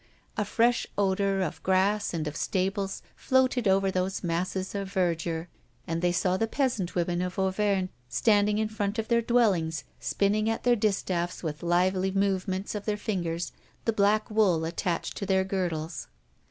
A fresh odor of grass and of stables floated over those masses of verdure; and they saw the peasant women of Auvergne standing in front of their dwellings, spinning at their distaffs with lively movements of their fingers the black wool attached to their girdles.